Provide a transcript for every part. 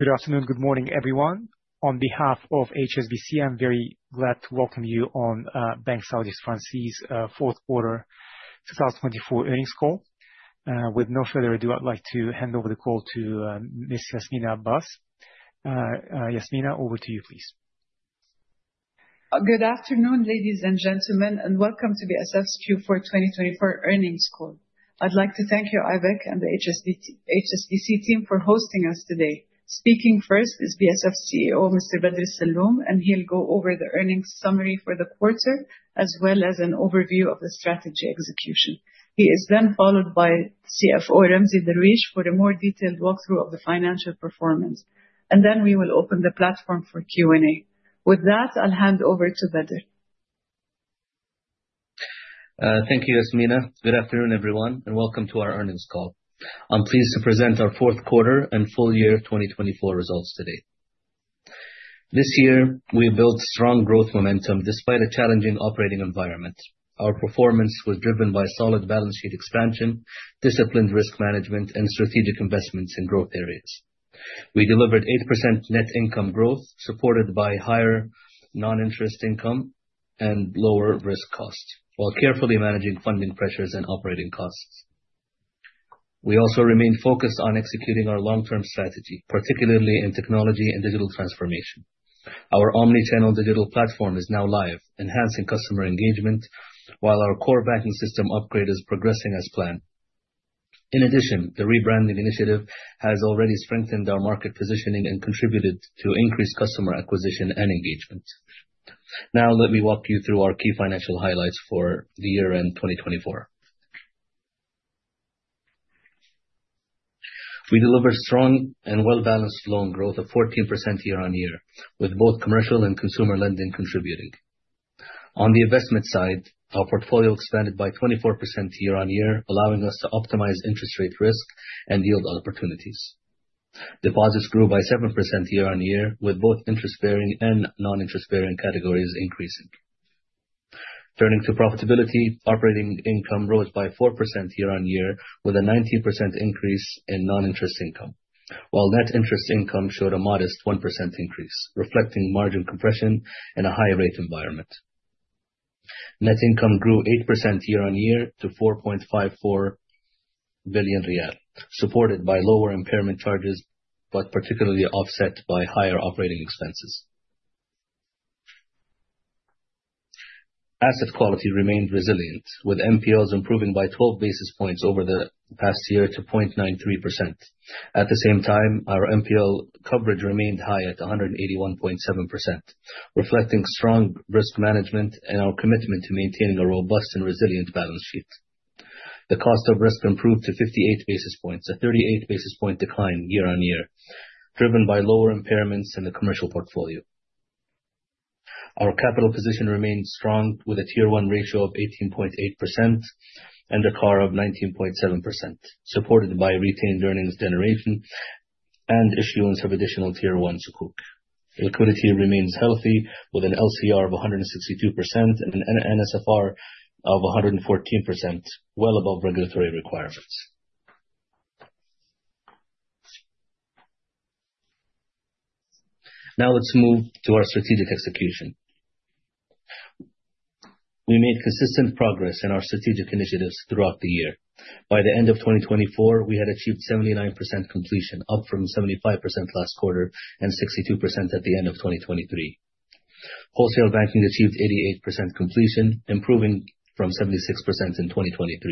Good afternoon, good morning, everyone. On behalf of HSBC, I am very glad to welcome you on Banque Saudi Fransi's fourth quarter 2024 earnings call. With no further ado, I would like to hand over the call to Miss Yasminah Abbas. Yasmina, over to you, please. Good afternoon, ladies and gentlemen, and welcome to the BSF Q4 2024 earnings call. I would like to thank you, Ivan, and the HSBC team for hosting us today. Speaking first is BSF CEO, Mr. Bader Alsalloom, and he will go over the earnings summary for the quarter as well as an overview of the strategy execution. He is then followed by CFO Ramzy Darwish for the more detailed walkthrough of the financial performance. Then we will open the platform for Q&A. With that, I will hand over to Badri. Thank you, Yasmina. Good afternoon, everyone, and welcome to our earnings call. I am pleased to present our fourth quarter and full year 2024 results today. This year, we built strong growth momentum despite a challenging operating environment. Our performance was driven by solid balance sheet expansion, disciplined risk management, and strategic investments in growth areas. We delivered 8% net income growth, supported by higher non-interest income and lower risk cost, while carefully managing funding pressures and operating costs. We also remain focused on executing our long-term strategy, particularly in technology and digital transformation. Our omni-channel digital platform is now live, enhancing customer engagement, while our core banking system upgrade is progressing as planned. In addition, the rebranding initiative has already strengthened our market positioning and contributed to increased customer acquisition and engagement. Now let me walk you through our key financial highlights for the year-end 2024. We delivered strong and well-balanced loan growth of 14% year-on-year, with both commercial and consumer lending contributing. On the investment side, our portfolio expanded by 24% year-on-year, allowing us to optimize interest rate risk and yield opportunities. Deposits grew by 7% year-on-year, with both interest-bearing and non-interest-bearing categories increasing. Turning to profitability, operating income rose by 4% year-on-year, with a 19% increase in non-interest income. While net interest income showed a modest 1% increase, reflecting margin compression in a higher rate environment. Net income grew 8% year-on-year to 4.54 billion riyal, supported by lower impairment charges, but particularly offset by higher operating expenses. Asset quality remained resilient, with NPLs improving by 12 basis points over the past year to 0.93%. At the same time, our NPL coverage remained high at 181.7%, reflecting strong risk management and our commitment to maintaining a robust and resilient balance sheet. The cost of risk improved to 58 basis points, a 38 basis point decline year-on-year, driven by lower impairments in the commercial portfolio. Our capital position remains strong with a Tier 1 ratio of 18.8% and a CAR of 19.7%, supported by retained earnings generation and issuance of additional Tier 1 Sukuk. Liquidity remains healthy, with an LCR of 162% and an NSFR of 114%, well above regulatory requirements. Now let's move to our strategic execution. We made consistent progress in our strategic initiatives throughout the year. By the end of 2024, we had achieved 79% completion, up from 75% last quarter and 62% at the end of 2023. Wholesale banking achieved 88% completion, improving from 76% in 2023.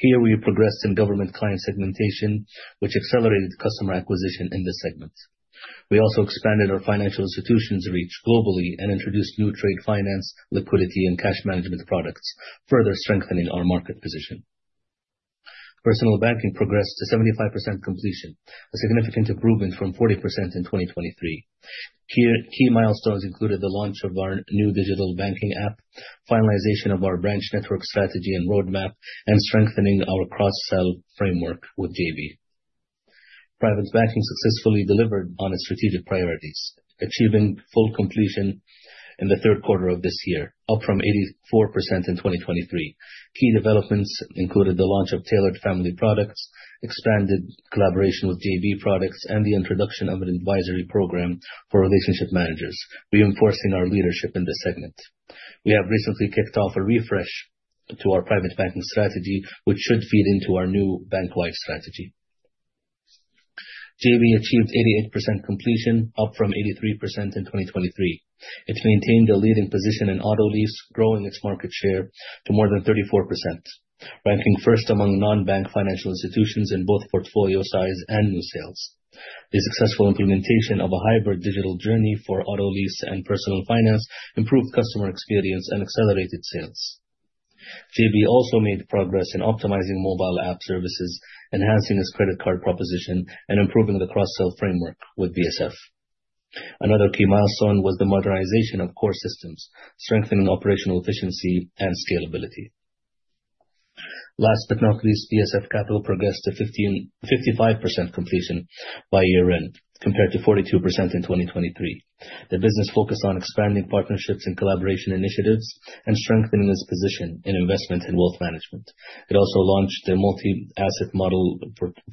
Here we progressed in government client segmentation, which accelerated customer acquisition in this segment. We also expanded our financial institutions' reach globally and introduced new trade finance, liquidity, and cash management products, further strengthening our market position. Personal banking progressed to 75% completion, a significant improvement from 40% in 2023. Key milestones included the launch of our new digital banking app, finalization of our branch network strategy and roadmap, and strengthening our cross-sell framework with JB. Private banking successfully delivered on its strategic priorities, achieving full completion in the third quarter of this year, up from 84% in 2023. Key developments included the launch of tailored family products, expanded collaboration with JB products, and the introduction of an advisory program for relationship managers, reinforcing our leadership in this segment. We have recently kicked off a refresh to our private banking strategy, which should feed into our new bank-wide strategy. JB achieved 88% completion, up from 83% in 2023. It maintained a leading position in auto lease, growing its market share to more than 34%, ranking first among non-bank financial institutions in both portfolio size and new sales. The successful implementation of a hybrid digital journey for auto lease and personal finance improved customer experience and accelerated sales. JB also made progress in optimizing mobile app services, enhancing its credit card proposition, and improving the cross-sell framework with BSF. Another key milestone was the modernization of core systems, strengthening operational efficiency and scalability. Last but not least, BSF Capital progressed to 55% completion by year-end, compared to 42% in 2023. The business focused on expanding partnerships and collaboration initiatives and strengthening its position in investment and wealth management. It also launched a multi-asset model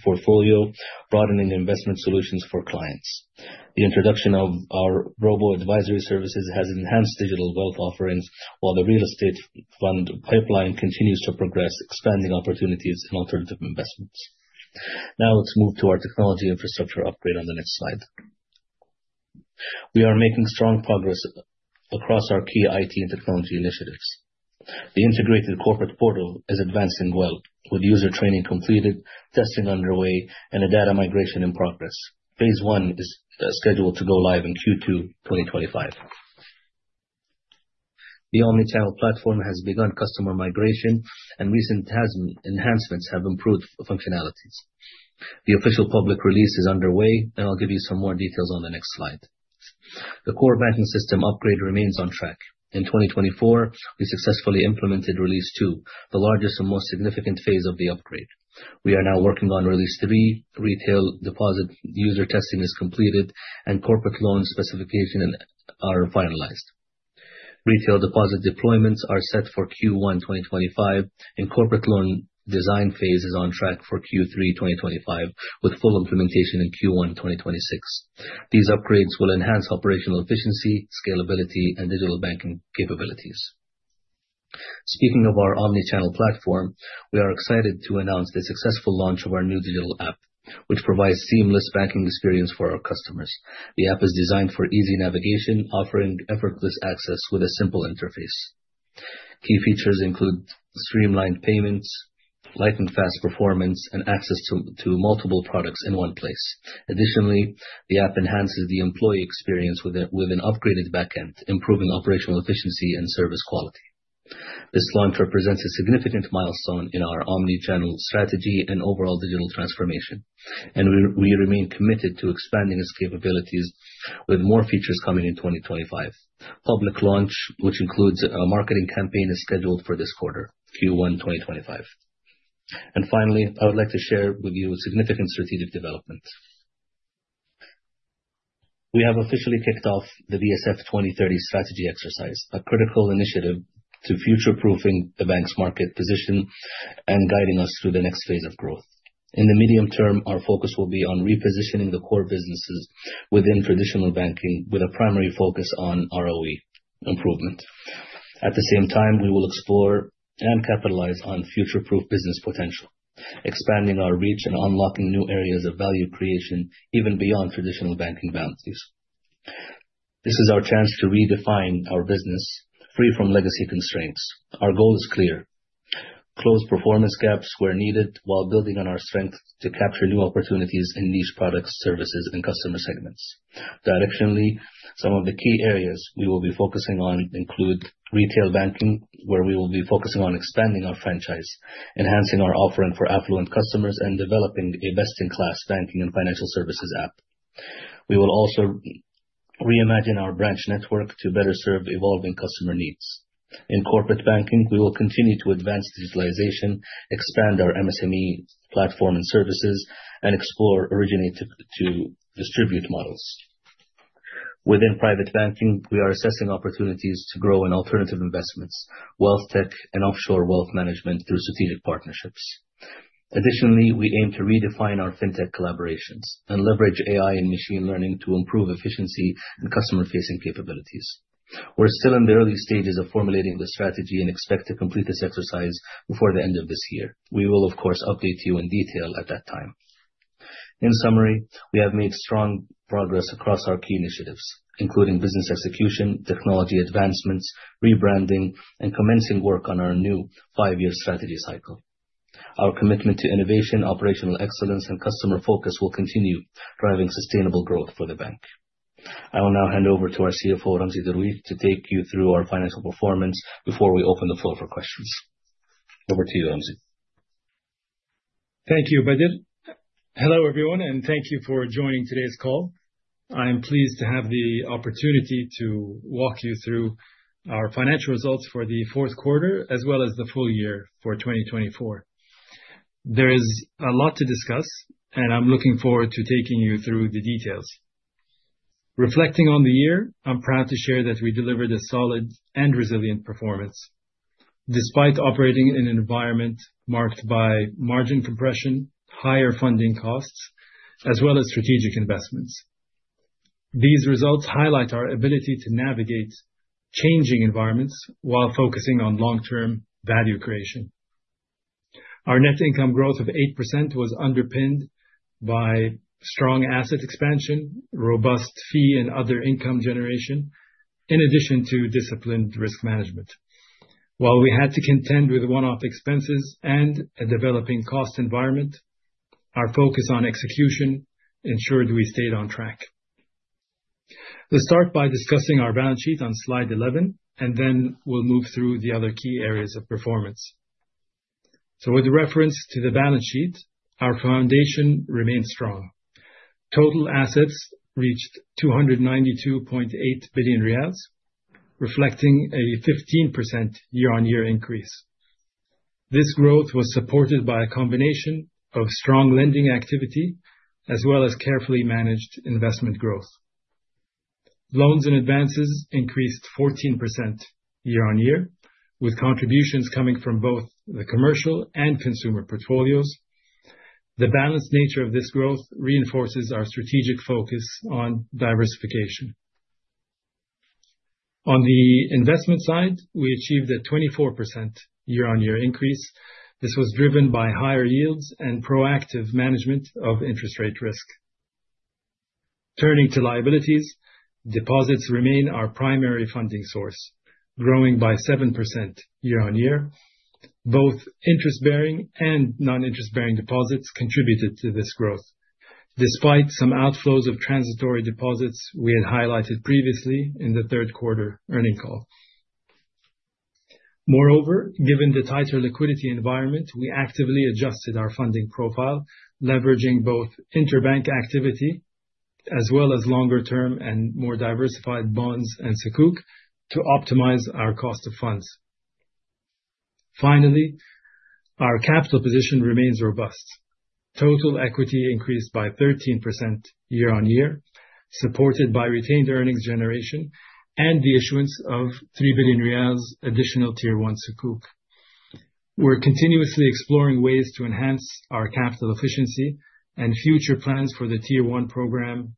portfolio, broadening investment solutions for clients. The introduction of our robo-advisory services has enhanced digital wealth offerings, while the real estate fund pipeline continues to progress, expanding opportunities in alternative investments. Now let's move to our technology infrastructure upgrade on the next slide. We are making strong progress across our key IT and technology initiatives. The integrated corporate portal is advancing well, with user training completed, testing underway, and data migration in progress. Phase 1 is scheduled to go live in Q2 2025. The omni-channel platform has begun customer migration, and recent enhancements have improved functionalities. The official public release is underway, and I'll give you some more details on the next slide. The core banking system upgrade remains on track. In 2024, we successfully implemented release 2, the largest and most significant phase of the upgrade. We are now working on release 3. Retail deposit user testing is completed, and corporate loan specifications are finalized. Retail deposit deployments are set for Q1 2025. Corporate loan design phase is on track for Q3 2025, with full implementation in Q1 2026. These upgrades will enhance operational efficiency, scalability, and digital banking capabilities. Speaking of our omni-channel platform, we are excited to announce the successful launch of our new digital app, which provides seamless banking experience for our customers. The app is designed for easy navigation, offering effortless access with a simple interface. Key features include streamlined payments, light and fast performance, and access to multiple products in one place. Additionally, the app enhances the employee experience with an upgraded back end, improving operational efficiency and service quality. This launch represents a significant milestone in our omni-channel strategy and overall digital transformation. We remain committed to expanding its capabilities with more features coming in 2025. Public launch, which includes a marketing campaign, is scheduled for this quarter, Q1 2025. Finally, I would like to share with you a significant strategic development. We have officially kicked off the BSF 2030 Strategy exercise, a critical initiative to future-proofing the bank's market position and guiding us through the next phase of growth. In the medium term, our focus will be on repositioning the core businesses within traditional banking with a primary focus on ROE improvement. At the same time, we will explore and capitalize on future-proof business potential, expanding our reach and unlocking new areas of value creation, even beyond traditional banking balances. This is our chance to redefine our business, free from legacy constraints. Our goal is clear. Close performance gaps where needed while building on our strength to capture new opportunities in niche products, services, and customer segments. Directionally, some of the key areas we will be focusing on include retail banking, where we will be focusing on expanding our franchise, enhancing our offering for affluent customers, and developing a best-in-class banking and financial services app. We will also reimagine our branch network to better serve evolving customer needs. In corporate banking, we will continue to advance digitalization, expand our MSME platform and services, and explore originate-to-distribute models. Within private banking, we are assessing opportunities to grow in alternative investments, wealth tech, and offshore wealth management through strategic partnerships. Additionally, we aim to redefine our fintech collaborations and leverage AI and machine learning to improve efficiency and customer-facing capabilities. We're still in the early stages of formulating the strategy and expect to complete this exercise before the end of this year. We will, of course, update you in detail at that time. In summary, we have made strong progress across our key initiatives, including business execution, technology advancements, rebranding, and commencing work on our new five-year strategy cycle. Our commitment to innovation, operational excellence, and customer focus will continue driving sustainable growth for the bank. I will now hand over to our CFO, Ramzy Darwish, to take you through our financial performance before we open the floor for questions. Over to you, Ramzy. Thank you, Bajil. Hello, everyone, and thank you for joining today's call. I am pleased to have the opportunity to walk you through our financial results for the fourth quarter, as well as the full year for 2024. There is a lot to discuss. I am looking forward to taking you through the details. Reflecting on the year, I am proud to share that we delivered a solid and resilient performance, despite operating in an environment marked by margin compression, higher funding costs, as well as strategic investments. These results highlight our ability to navigate changing environments while focusing on long-term value creation. Our net income growth of 8% was underpinned by strong asset expansion, robust fee and other income generation, in addition to disciplined risk management. While we had to contend with one-off expenses and a developing cost environment, our focus on execution ensured we stayed on track. Let's start by discussing our balance sheet on slide 11. Then we'll move through the other key areas of performance. With reference to the balance sheet, our foundation remains strong. Total assets reached 292.8 billion riyals, reflecting a 15% year-on-year increase. This growth was supported by a combination of strong lending activity as well as carefully managed investment growth. Loans and advances increased 14% year-on-year, with contributions coming from both the commercial and consumer portfolios. The balanced nature of this growth reinforces our strategic focus on diversification. On the investment side, we achieved a 24% year-on-year increase. This was driven by higher yields and proactive management of interest rate risk. Turning to liabilities, deposits remain our primary funding source, growing by 7% year-on-year. Both interest-bearing and non-interest-bearing deposits contributed to this growth, despite some outflows of transitory deposits we had highlighted previously in the third quarter earning call. Moreover, given the tighter liquidity environment, we actively adjusted our funding profile, leveraging both interbank activity as well as longer-term and more diversified bonds and Sukuk to optimize our cost of funds. Finally, our capital position remains robust. Total equity increased by 13% year-on-year, supported by retained earnings generation and the issuance of 3 billion riyals additional Tier 1 Sukuk. We are continuously exploring ways to enhance our capital efficiency and future plans for the Tier 1 program,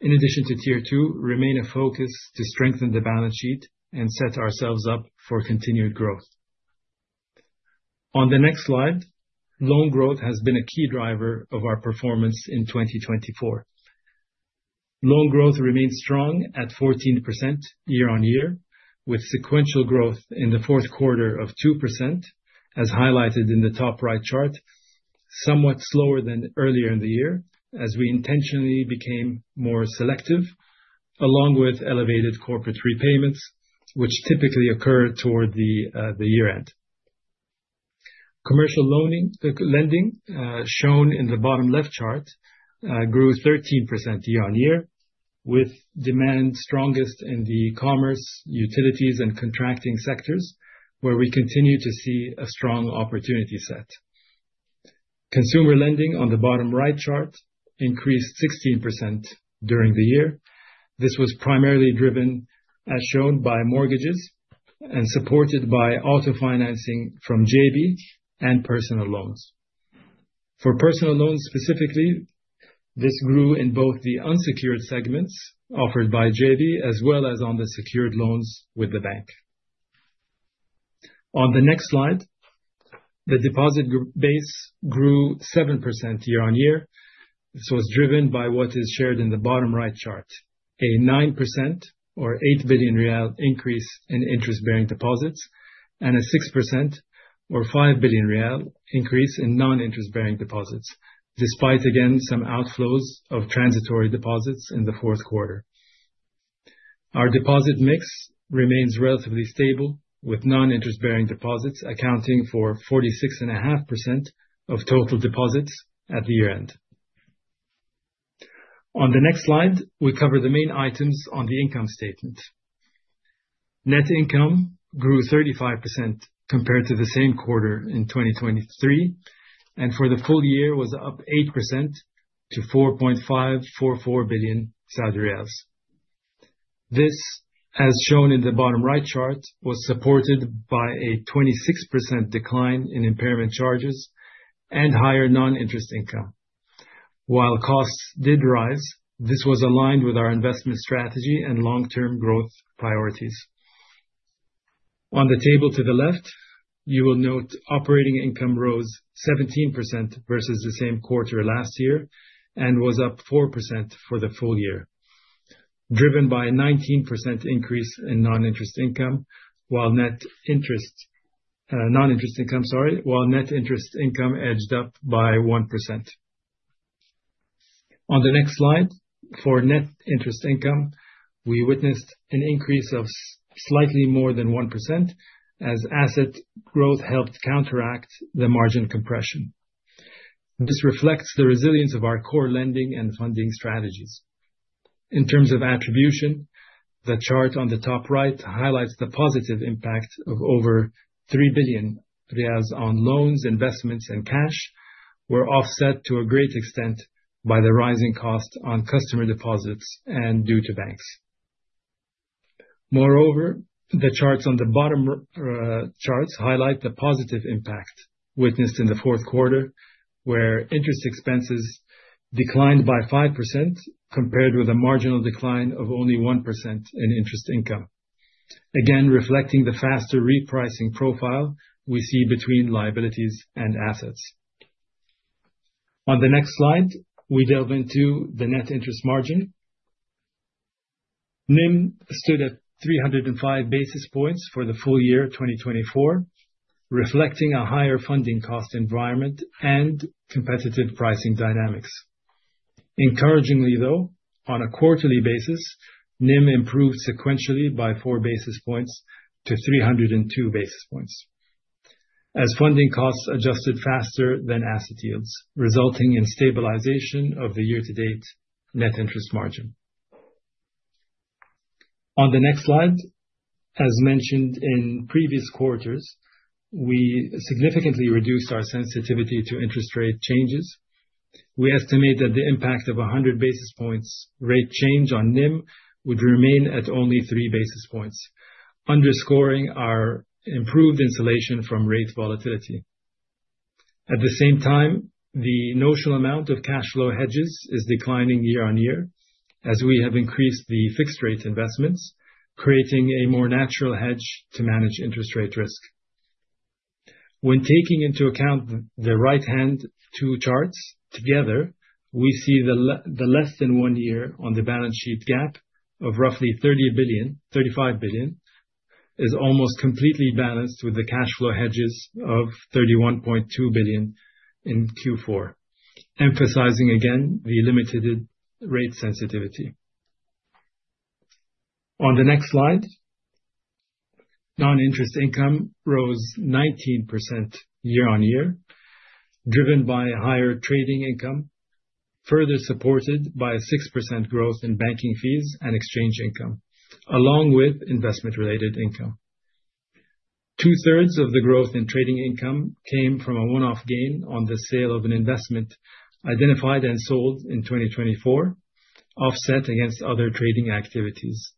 in addition to Tier 2, remain a focus to strengthen the balance sheet and set ourselves up for continued growth. On the next slide, loan growth has been a key driver of our performance in 2024. Loan growth remains strong at 14% year-on-year, with sequential growth in the fourth quarter of 2%, as highlighted in the top right chart, somewhat slower than earlier in the year as we intentionally became more selective, along with elevated corporate repayments, which typically occur toward the year-end. Commercial lending, shown in the bottom left chart, grew 13% year-on-year with demand strongest in the commerce, utilities, and contracting sectors, where we continue to see a strong opportunity set. Consumer lending on the bottom right chart increased 16% during the year. This was primarily driven, as shown, by mortgages and supported by auto financing from JB and personal loans. For personal loans, specifically, this grew in both the unsecured segments offered by JB as well as on the secured loans with the bank. On the next slide, the deposit base grew 7% year-on-year. This was driven by what is shared in the bottom right chart, a 9% or SAR 8 billion increase in interest-bearing deposits and a 6% or SAR 5 billion increase in non-interest-bearing deposits, despite again some outflows of transitory deposits in the fourth quarter. Our deposit mix remains relatively stable, with non-interest-bearing deposits accounting for 46.5% of total deposits at the year-end. On the next slide, we cover the main items on the income statement. Net income grew 35% compared to the same quarter in 2023, and for the full year was up 8% to 4.544 billion Saudi riyals. This, as shown in the bottom right chart, was supported by a 26% decline in impairment charges and higher non-interest income. While costs did rise, this was aligned with our investment strategy and long-term growth priorities. On the table to the left, you will note operating income rose 17% versus the same quarter last year and was up 4% for the full year, driven by a 19% increase in non-interest income, while net interest income edged up by 1%. On the next slide, for net interest income, we witnessed an increase of slightly more than 1% as asset growth helped counteract the margin compression. This reflects the resilience of our core lending and funding strategies. In terms of attribution, the chart on the top right highlights the positive impact of over 3 billion riyals on loans, investments, and cash were offset to a great extent by the rising cost on customer deposits and due to banks. The charts on the bottom charts highlight the positive impact witnessed in the fourth quarter, where interest expenses declined by 5% compared with a marginal decline of only 1% in interest income. Again, reflecting the faster repricing profile we see between liabilities and assets. On the next slide, we delve into the net interest margin. NIM stood at 305 basis points for the full year 2024, reflecting a higher funding cost environment and competitive pricing dynamics. Encouragingly, though, on a quarterly basis, NIM improved sequentially by four basis points to 302 basis points. As funding costs adjusted faster than asset yields, resulting in stabilization of the year-to-date net interest margin. On the next slide, as mentioned in previous quarters, we significantly reduced our sensitivity to interest rate changes. We estimate that the impact of 100 basis points rate change on NIM would remain at only three basis points, underscoring our improved insulation from rate volatility. At the same time, the notional amount of cash flow hedges is declining year on year as we have increased the fixed rate investments, creating a more natural hedge to manage interest rate risk. When taking into account the right-hand two charts together, we see the less than one year on the balance sheet gap of roughly $35 billion, is almost completely balanced with the cash flow hedges of $31.2 billion in Q4, emphasizing again the limited rate sensitivity. On the next slide, non-interest income rose 19% year on year, driven by higher trading income, further supported by a 6% growth in banking fees and exchange income, along with investment-related income. Two-thirds of the growth in trading income came from a one-off gain on the sale of an investment identified and sold in 2024, offset against other trading activities.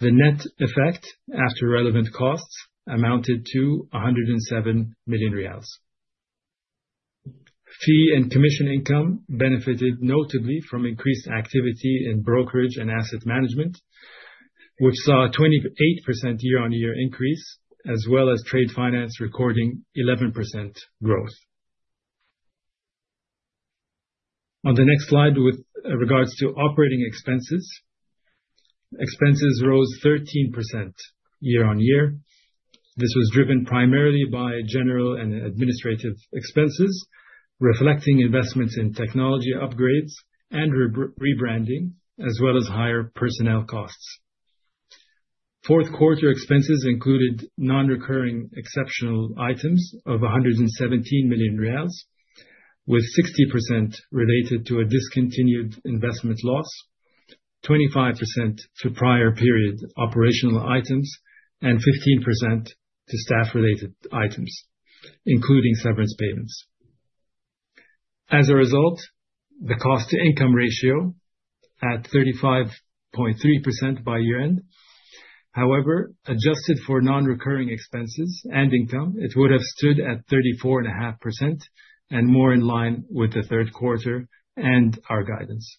The net effect after relevant costs amounted to 107 million riyals. Fee and commission income benefited notably from increased activity in brokerage and asset management, which saw a 28% year-on-year increase, as well as trade finance recording 11% growth. On the next slide, with regards to operating expenses rose 13% year-on-year. This was driven primarily by general and administrative expenses, reflecting investments in technology upgrades and rebranding, as well as higher personnel costs. Fourth quarter expenses included non-recurring exceptional items of 117 million riyals, with 60% related to a discontinued investment loss, 25% to prior period operational items, and 15% to staff-related items, including severance payments. As a result, the cost-to-income ratio at 35.3% by year-end. However, adjusted for non-recurring expenses and income, it would have stood at 34.5% and more in line with the third quarter and our guidance.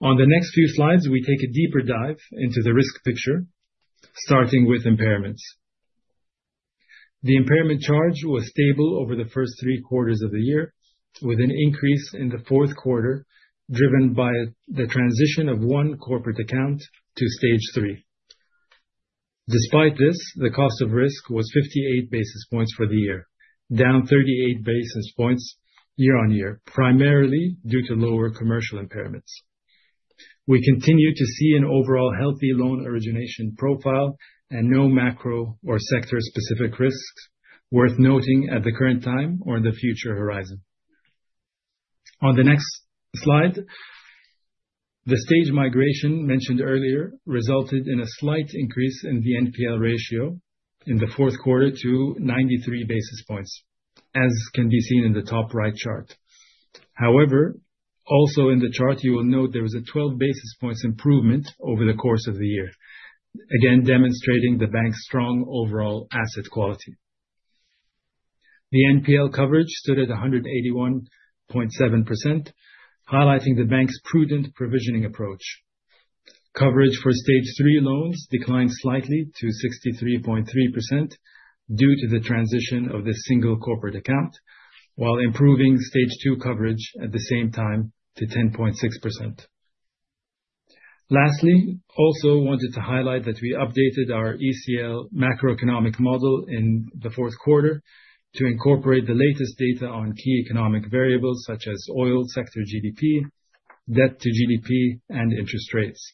On the next few slides, we take a deeper dive into the risk picture, starting with impairments. The impairment charge was stable over the first three quarters of the year, with an increase in the fourth quarter, driven by the transition of one corporate account to stage 3. Despite this, the cost of risk was 58 basis points for the year, down 38 basis points year-on-year, primarily due to lower commercial impairments. We continue to see an overall healthy loan origination profile and no macro or sector-specific risks worth noting at the current time or in the future horizon. On the next slide, the stage migration mentioned earlier resulted in a slight increase in the NPL ratio in the fourth quarter to 93 basis points, as can be seen in the top right chart. However, also in the chart, you will note there was a 12 basis points improvement over the course of the year, again, demonstrating the bank's strong overall asset quality. The NPL coverage stood at 181.7%, highlighting the bank's prudent provisioning approach. Coverage for stage 3 loans declined slightly to 63.3% due to the transition of the single corporate account, while improving stage 2 coverage at the same time to 10.6%. Lastly, also wanted to highlight that we updated our ECL macroeconomic model in the fourth quarter to incorporate the latest data on key economic variables such as oil sector GDP, debt to GDP, and interest rates.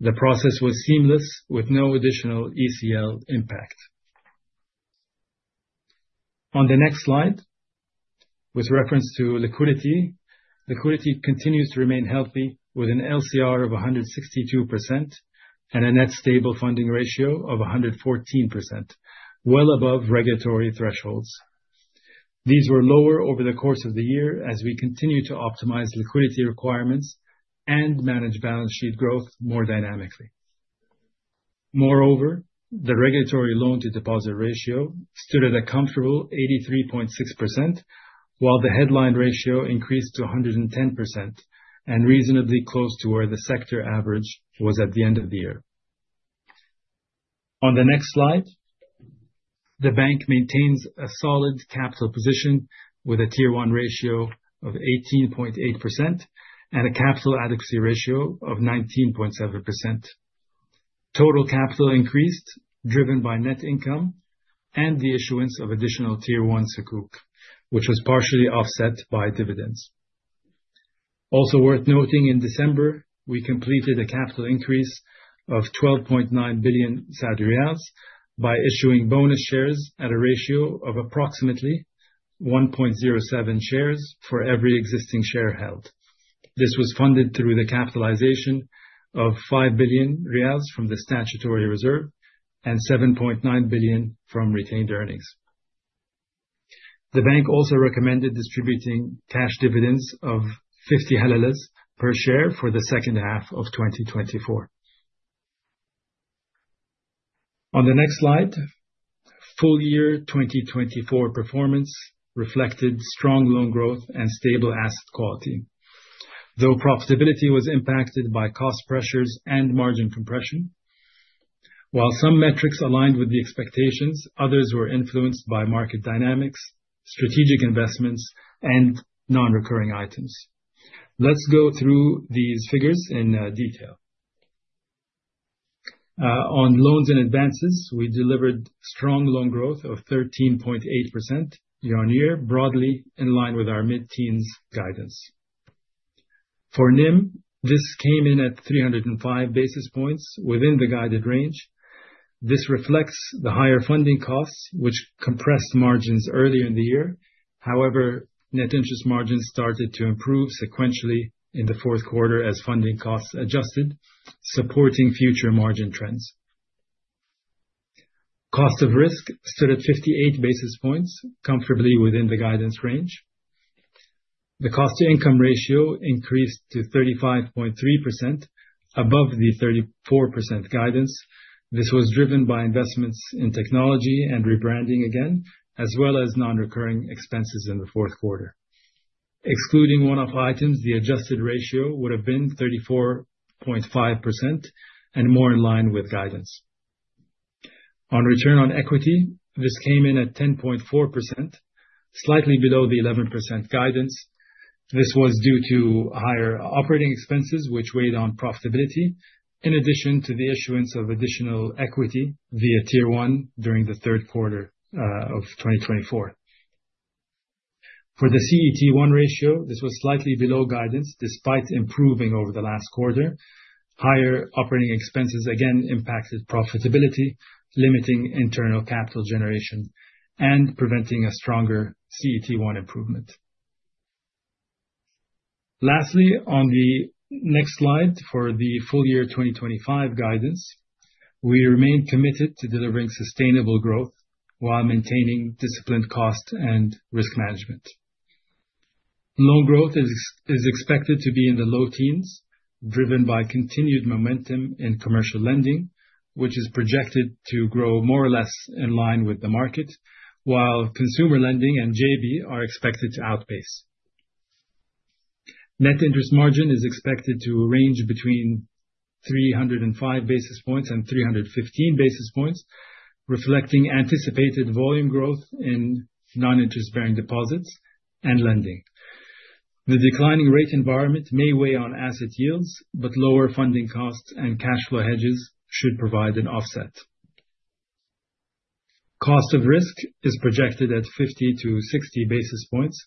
The process was seamless, with no additional ECL impact. On the next slide, with reference to liquidity continues to remain healthy with an LCR of 162% and a net stable funding ratio of 114%, well above regulatory thresholds. These were lower over the course of the year as we continue to optimize liquidity requirements and manage balance sheet growth more dynamically. Moreover, the regulatory loan to deposit ratio stood at a comfortable 83.6%, while the headline ratio increased to 110% and reasonably close to where the sector average was at the end of the year. On the next slide, the bank maintains a solid capital position with a Tier 1 ratio of 18.8% and a capital adequacy ratio of 19.7%. Total capital increased, driven by net income and the issuance of additional Tier 1 Sukuk, which was partially offset by dividends. Also worth noting, in December, we completed a capital increase of 12.9 billion Saudi riyals by issuing bonus shares at a ratio of approximately 1.07 shares for every existing share held. This was funded through the capitalization of 5 billion riyals from the statutory reserve and 7.9 billion from retained earnings. The bank also recommended distributing cash dividends of 0.50 per share for the second half of 2024. On the next slide, full year 2024 performance reflected strong loan growth and stable asset quality. Though profitability was impacted by cost pressures and margin compression, while some metrics aligned with the expectations, others were influenced by market dynamics, strategic investments, and non-recurring items. Let's go through these figures in detail. On loans and advances, we delivered strong loan growth of 13.8% year-over-year, broadly in line with our mid-teens guidance. For NIM, this came in at 305 basis points within the guided range. This reflects the higher funding costs, which compressed margins earlier in the year. However, net interest margins started to improve sequentially in the fourth quarter as funding costs adjusted, supporting future margin trends. Cost of risk stood at 58 basis points, comfortably within the guidance range. The cost-to-income ratio increased to 35.3%, above the 34% guidance. This was driven by investments in technology and rebranding again, as well as non-recurring expenses in the fourth quarter. Excluding one-off items, the adjusted ratio would have been 34.5% and more in line with guidance. On return on equity, this came in at 10.4%, slightly below the 11% guidance. This was due to higher operating expenses, which weighed on profitability, in addition to the issuance of additional equity via Tier 1 during the third quarter of 2024. For the CET1 ratio, this was slightly below guidance despite improving over the last quarter. Higher operating expenses again impacted profitability, limiting internal capital generation and preventing a stronger CET1 improvement. Lastly, on the next slide for the full year 2025 guidance, we remain committed to delivering sustainable growth while maintaining disciplined cost and risk management. Loan growth is expected to be in the low teens, driven by continued momentum in commercial lending, which is projected to grow more or less in line with the market, while consumer lending and JB are expected to outpace. Net interest margin is expected to range between 305 basis points and 315 basis points, reflecting anticipated volume growth in non-interest bearing deposits and lending. The declining rate environment may weigh on asset yields, but lower funding costs and cash flow hedges should provide an offset. Cost of risk is projected at 50 to 60 basis points,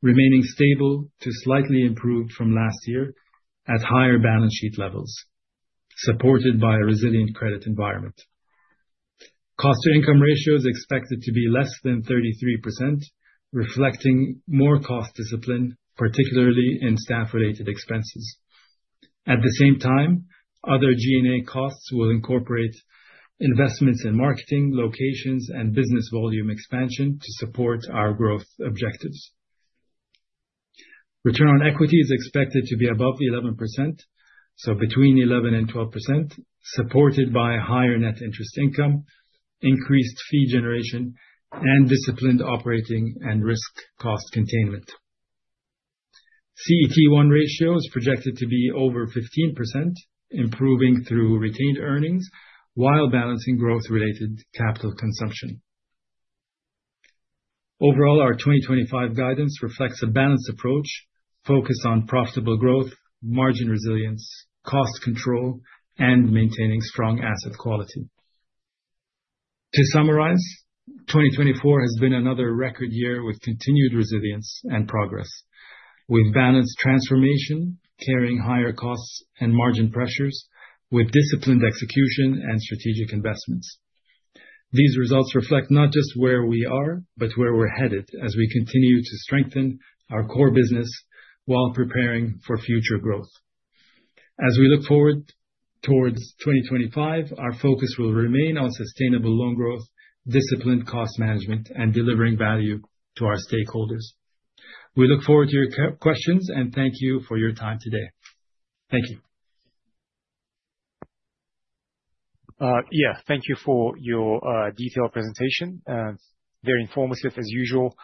remaining stable to slightly improved from last year at higher balance sheet levels, supported by a resilient credit environment. Cost-to-income ratio is expected to be less than 33%, reflecting more cost discipline, particularly in staff-related expenses. At the same time, other G&A costs will incorporate investments in marketing, locations, and business volume expansion to support our growth objectives. Return on equity is expected to be above the 11%, so between 11% and 12%, supported by higher net interest income, increased fee generation, and disciplined operating and risk cost containment. CET1 ratio is projected to be over 15%, improving through retained earnings while balancing growth-related capital consumption. Overall, our 2025 guidance reflects a balanced approach focused on profitable growth, margin resilience, cost control, and maintaining strong asset quality. To summarize, 2024 has been another record year with continued resilience and progress. We've balanced transformation, carrying higher costs and margin pressures with disciplined execution and strategic investments. These results reflect not just where we are, but where we're headed as we continue to strengthen our core business while preparing for future growth. As we look forward towards 2025, our focus will remain on sustainable loan growth, disciplined cost management, and delivering value to our stakeholders. We look forward to your questions and thank you for your time today. Thank you. Yeah, thank you for your detailed presentation. Very informative as usual.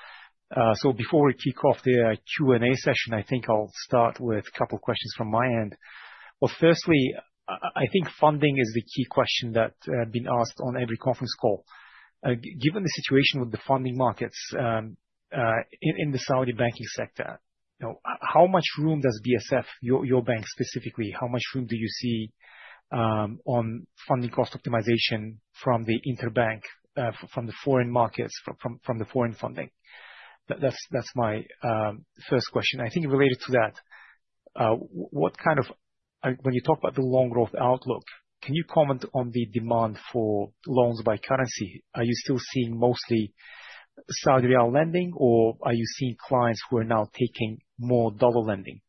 Before we kick off the Q&A session, I think I'll start with a couple of questions from my end. Well firstly, I think funding is the key question that had been asked on every conference call. Given the situation with the funding markets in the Saudi banking sector, how much room does BSF, your bank specifically, how much room do you see on funding cost optimization from the interbank, from the foreign markets, from the foreign funding? That's my first question. I think related to that, when you talk about the loan growth outlook, can you comment on the demand for loans by currency? Are you still seeing mostly Saudi Riyal lending, or are you seeing clients who are now taking more dollar lending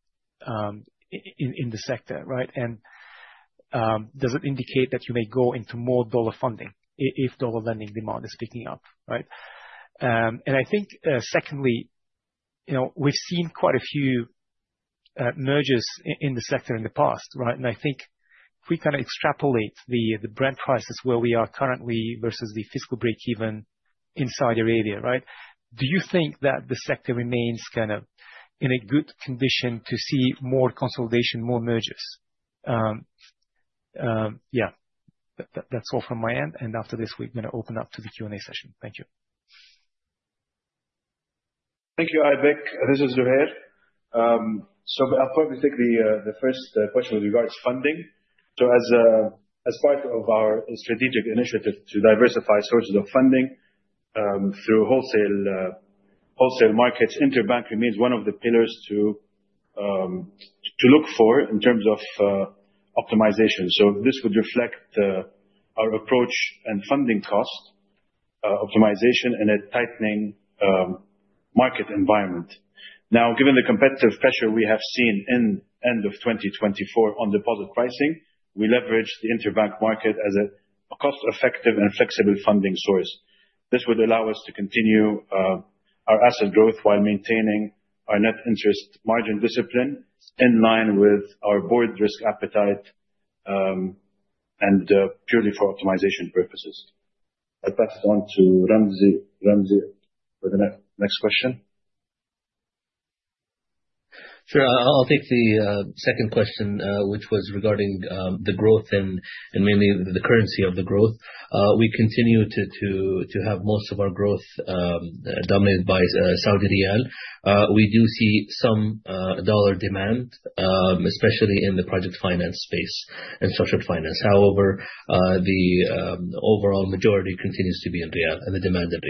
in the sector, right? Does it indicate that you may go into more dollar funding if dollar lending demand is picking up? I think, secondly, we've seen quite a few mergers in the sector in the past, right? I think if we kind of extrapolate the Brent prices where we are currently versus the fiscal break-even in Saudi Arabia, right? Do you think that the sector remains in a good condition to see more consolidation, more mergers? Yeah. That's all from my end. After this, we're going to open up to the Q&A session. Thank you. Thank you, Ibak. This is Zaher. I'll probably take the first question with regards to funding. As part of our strategic initiative to diversify sources of funding through wholesale markets, interbank remains one of the pillars to look for in terms of optimization. This would reflect our approach and funding cost optimization in a tightening market environment. Now, given the competitive pressure we have seen in end of 2024 on deposit pricing, we leveraged the interbank market as a cost-effective and flexible funding source. This would allow us to continue our asset growth while maintaining our net interest margin discipline in line with our board risk appetite, and purely for optimization purposes. I'll pass it on to Ramzi for the next question. Sure. I'll take the second question, which was regarding the growth and mainly the currency of the growth. We continue to have most of our growth dominated by Saudi Riyal. We do see some dollar demand, especially in the project finance space and social finance. However, the overall majority continues to be in Riyal, and the demand in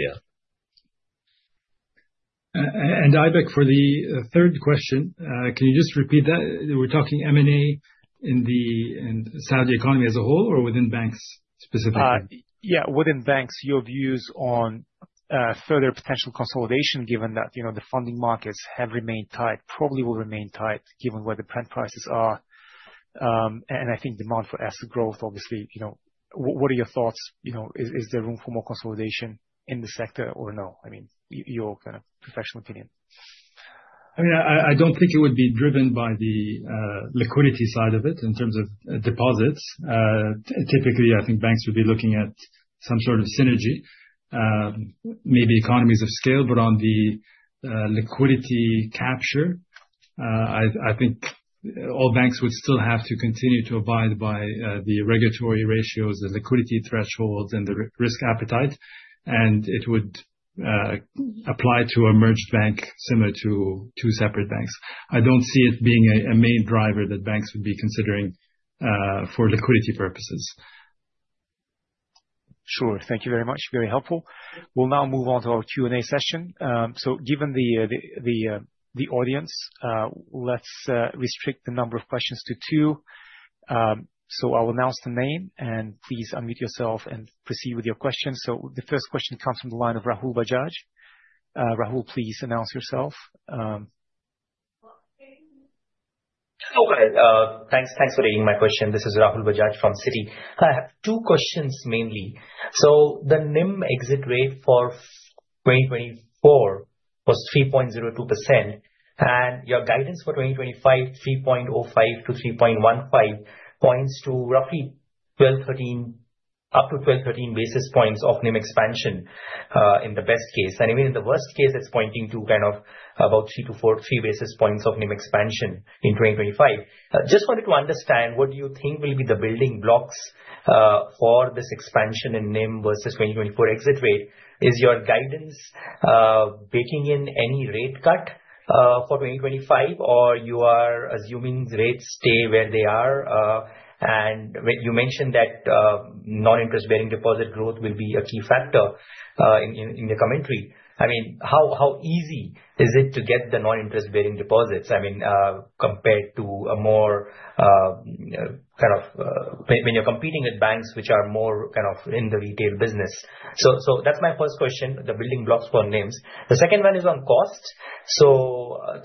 Riyal. Ibak, for the third question, can you just repeat that? We're talking M&A in the Saudi economy as a whole or within banks specifically? Within banks, your views on further potential consolidation given that the funding markets have remained tight, probably will remain tight given where the Brent prices are. I think demand for asset growth, obviously. What are your thoughts? Is there room for more consolidation in the sector or no? I mean, your professional opinion. I don't think it would be driven by the liquidity side of it in terms of deposits. Typically, I think banks would be looking at some sort of synergy, maybe economies of scale. On the liquidity capture, I think all banks would still have to continue to abide by the regulatory ratios, the liquidity thresholds, and the risk appetite. It would apply to a merged bank similar to two separate banks. I don't see it being a main driver that banks would be considering for liquidity purposes. Sure. Thank you very much. Very helpful. We'll now move on to our Q&A session. Given the audience, let's restrict the number of questions to two. I will announce the name, and please unmute yourself and proceed with your question. The first question comes from the line of Rahul Bajaj. Rahul, please announce yourself. Okay. Thanks for taking my question. This is Rahul Bajaj from Citi. I have two questions mainly. The NIM exit rate for 2024 was 3.02%, and your guidance for 2025, 3.05-3.15, points to roughly up to 12, 13 basis points of NIM expansion in the best case. Even in the worst case, it's pointing to about three to four, three basis points of NIM expansion in 2025. I just wanted to understand, what do you think will be the building blocks for this expansion in NIM versus 2024 exit rate? Is your guidance baking in any rate cut for 2025, or you are assuming rates stay where they are? When you mentioned that Non-Interest-Bearing Deposit growth will be a key factor in the commentary, how easy is it to get the Non-Interest-Bearing Deposits compared to when you're competing with banks which are more in the retail business. That's my first question, the building blocks for NIMs. The second one is on cost.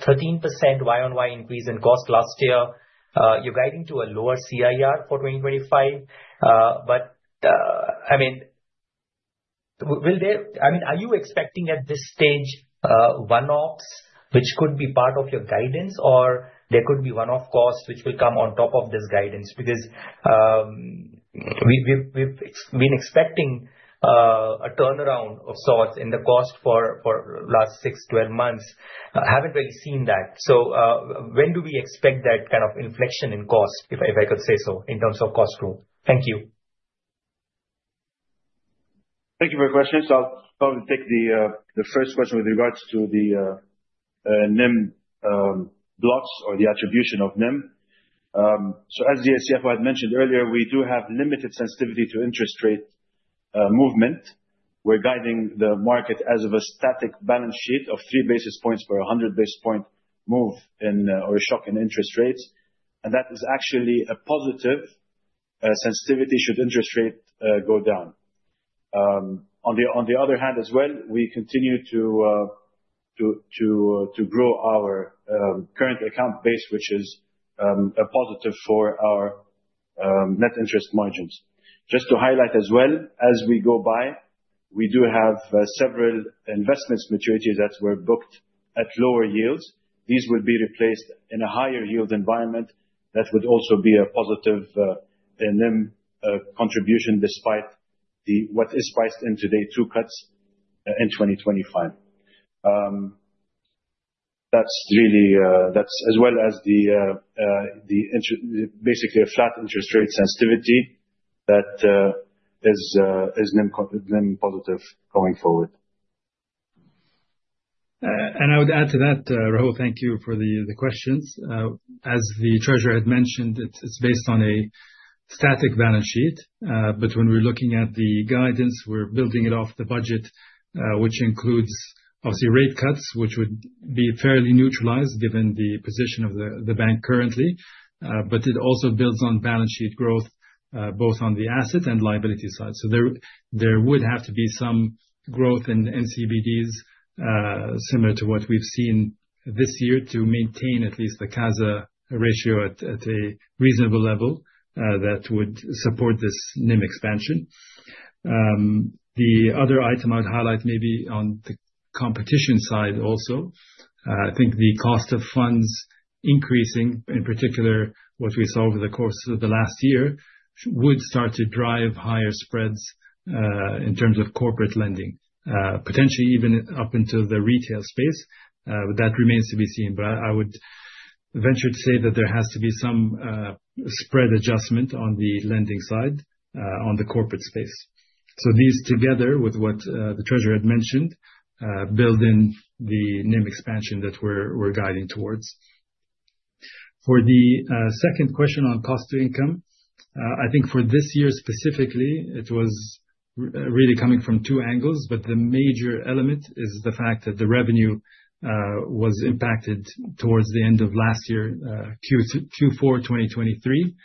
13% Y on Y increase in cost last year. You're guiding to a lower CIR for 2025, but are you expecting at this stage one-offs which could be part of your guidance, or there could be one-off costs which will come on top of this guidance? We've been expecting a turnaround of sorts in the cost for last 6, 12 months. Haven't really seen that. When do we expect that kind of inflection in cost, if I could say so, in terms of cost growth? Thank you. Thank you for your questions. I'll probably take the first question with regards to the NIM blocks or the attribution of NIM. As Youssef had mentioned earlier, we do have limited sensitivity to interest rate movement. We're guiding the market as of a static balance sheet of three basis points per 100 basis point move, or a shock in interest rates. That is actually a positive sensitivity should interest rate go down. On the other hand as well, we continue to grow our current account base, which is a positive for our net interest margins. Just to highlight as well, as we go by, we do have several investments maturities that were booked at lower yields. These will be replaced in a higher yield environment that would also be a positive NIM contribution despite what is priced in today, two cuts in 2025. Basically a flat interest rate sensitivity that is NIM positive going forward. I would add to that, Rahul, thank you for the questions. As the treasurer had mentioned, it is based on a static balance sheet. When we are looking at the guidance, we are building it off the budget, which includes obviously rate cuts, which would be fairly neutralized given the position of the bank currently. It also builds on balance sheet growth, both on the asset and liability side. There would have to be some growth in NIBDs, similar to what we have seen this year, to maintain at least the CASA ratio at a reasonable level that would support this NIM expansion. The other item I would highlight maybe on the competition side also, I think the cost of funds increasing, in particular what we saw over the course of the last year, would start to drive higher spreads, in terms of corporate lending, potentially even up into the retail space. That remains to be seen. I would venture to say that there has to be some spread adjustment on the lending side, on the corporate space. These together with what the treasurer had mentioned, build in the NIM expansion that we are guiding towards. For the second question on cost to income, I think for this year specifically, it was really coming from two angles, but the major element is the fact that the revenue was impacted towards the end of last year, Q4 2023,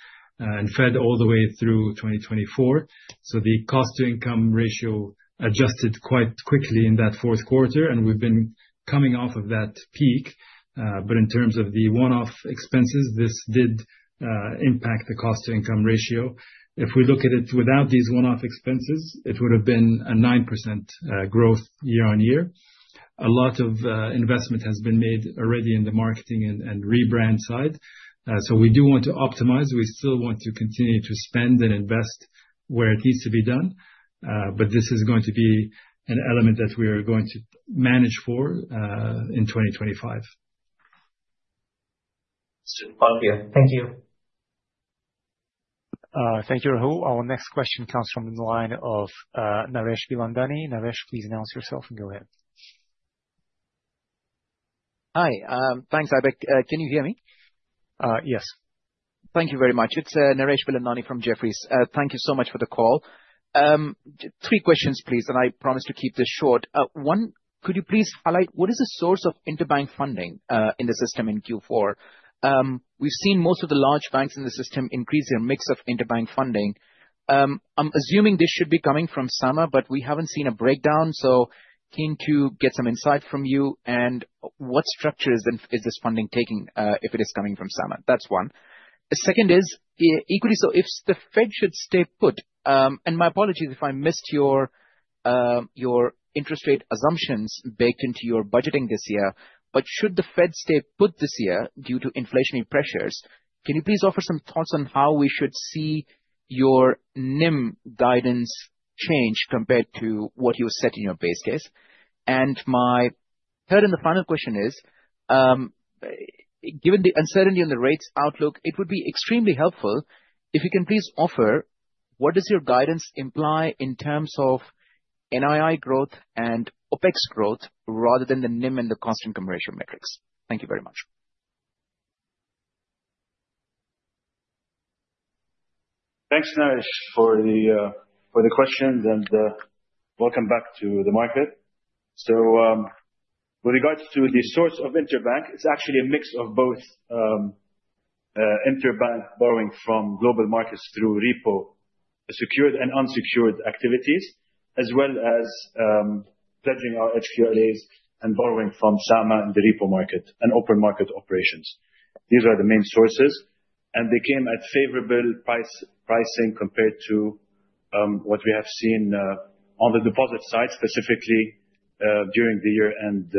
and fed all the way through 2024. The cost to income ratio adjusted quite quickly in that fourth quarter, and we have been coming off of that peak. In terms of the one-off expenses, this did impact the cost to income ratio. If we look at it without these one-off expenses, it would have been a 9% growth year-on-year. A lot of investment has been made already in the marketing and rebrand side. We do want to optimize. We still want to continue to spend and invest where it needs to be done. This is going to be an element that we are going to manage for, in 2025. Superb. Thank you. Thank you, Rahul. Our next question comes from the line of Naresh Bilani. Naresh, please announce yourself and go ahead. Hi, thanks. Abik, can you hear me? Yes. Thank you very much. It's Naresh Bilani from Jefferies. Thank you so much for the call. three questions, please. I promise to keep this short. One, could you please highlight what is the source of interbank funding, in the system in Q4? We've seen most of the large banks in the system increase their mix of interbank funding. I'm assuming this should be coming from SAMA, but we haven't seen a breakdown, so keen to get some insight from you. What structure is this funding taking, if it is coming from SAMA? That's one. The second is equity. If the Fed should stay put, my apologies if I missed your interest rate assumptions baked into your budgeting this year. Should the Fed stay put this year due to inflationary pressures, can you please offer some thoughts on how we should see your NIM guidance change compared to what you set in your base case? My third and the final question is, given the uncertainty on the rates outlook, it would be extremely helpful if you can please offer what does your guidance imply in terms of NII growth and OPEX growth rather than the NIM and the cost income ratio metrics? Thank you very much. Thanks, Naresh, for the questions, and welcome back to the market. With regards to the source of interbank, it is actually a mix of both interbank borrowing from global markets through repo, secured and unsecured activities, as well as leveraging our HQLAs and borrowing from SAMA and the repo market, and open market operations. These are the main sources. They came at favorable pricing compared to what we have seen on the deposit side, specifically, during the year-end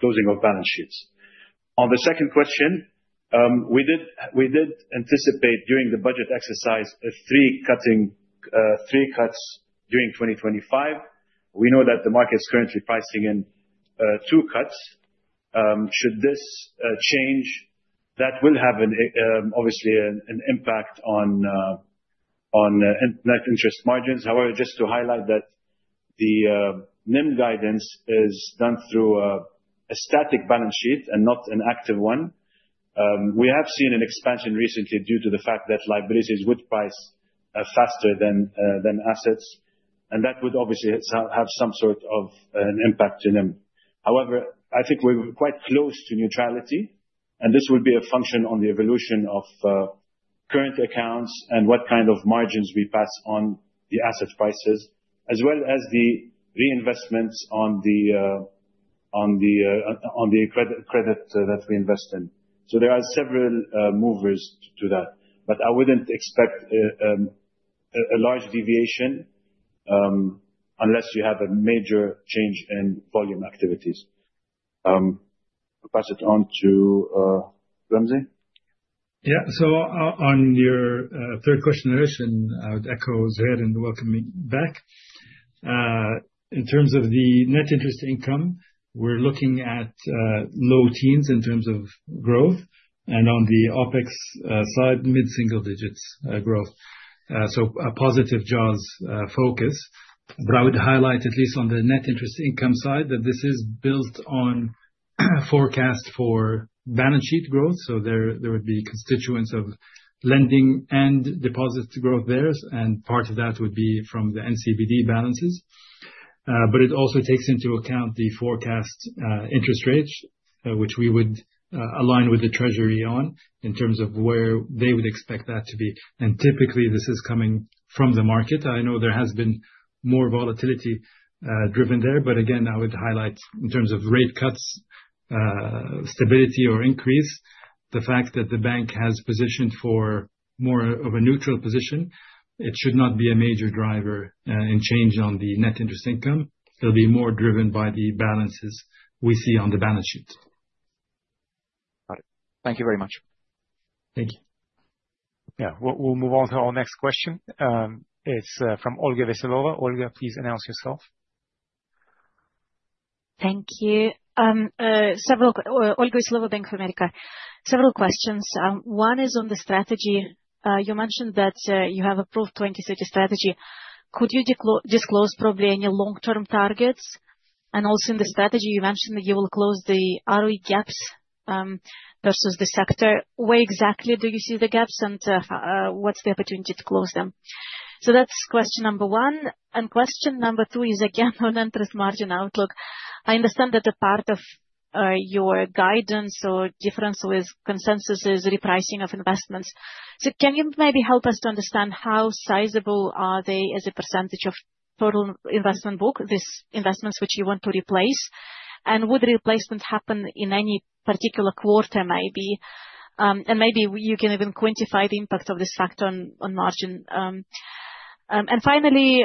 closing of balance sheets. On the second question, we did anticipate during the budget exercise 3 cuts during 2025. We know that the market is currently pricing in 2 cuts. Should this change, that will have obviously an impact on net interest margins. Just to highlight that the NIM guidance is done through a static balance sheet and not an active one. We have seen an expansion recently due to the fact that liabilities would price faster than assets. That would obviously have some sort of an impact to NIM. I think we are quite close to neutrality. This would be a function on the evolution of current accounts and what kind of margins we pass on the asset prices, as well as the reinvestments on the credit that we invest in. There are several movers to that. I wouldn't expect a large deviation, unless you have a major change in volume activities. I will pass it on to Ramzy. On your third question, Irshad, I would echo Zuhair in welcoming you back. In terms of the net interest income, we are looking at low teens in terms of growth. On the OPEX side, mid-single digits growth. A positive Jaws focus. I would highlight, at least on the net interest income side, that this is built on forecast for balance sheet growth. There would be constituents of lending and deposits growth there. Part of that would be from the NIBD balances. It also takes into account the forecast interest rates, which we would align with the treasury on in terms of where they would expect that to be. Typically, this is coming from the market. I know there has been more volatility driven there. I would highlight in terms of rate cuts, stability or increase, the fact that the bank has positioned for more of a neutral position. It should not be a major driver in change on the net interest income. It'll be more driven by the balances we see on the balance sheet. Got it. Thank you very much. Thank you. We'll move on to our next question. It's from Olga Veselova. Olga, please announce yourself. Thank you. Olga Veselova, Bank of America. Several questions. One is on the Strategy. You mentioned that you have approved BSF 2030 Strategy. Could you disclose probably any long-term targets? Also in the Strategy, you mentioned that you will close the ROE gaps versus the sector. Where exactly do you see the gaps, and what's the opportunity to close them? That's question number one. Question number two is again on interest margin outlook. I understand that a part of your guidance or difference with consensus is repricing of investments. Can you maybe help us to understand how sizable are they as a percentage of total investment book, these investments which you want to replace? Would replacement happen in any particular quarter maybe? Maybe you can even quantify the impact of this factor on margin. Finally,